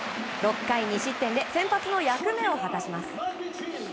６回２失点で先発の役目を果たします。